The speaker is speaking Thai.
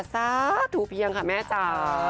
ซาทูเพียงค่ะแม่จ้า